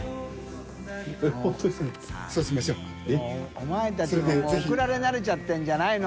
お前たちももう送られ慣れちゃってるんじゃないの？